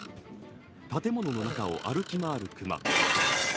建物の中を歩き回る熊。